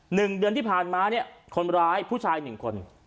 หนึ่งเดือนที่ผ่านมาเนี่ยคนร้ายผู้ชายหนึ่งคน